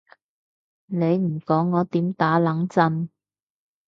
你唔講我點打冷震？